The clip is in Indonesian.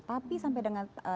tapi sampai dengan